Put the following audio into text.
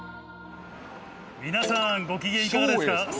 皆さんご機嫌いかがですか？